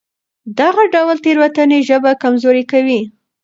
دغه ډول تېروتنې ژبه کمزورې کوي.